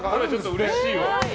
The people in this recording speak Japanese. うれしい。